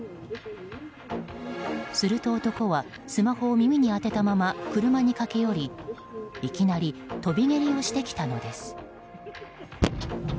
すると男はスマホを耳に当てたまま車に駆け寄り、いきなり飛び蹴りをしてきたのです。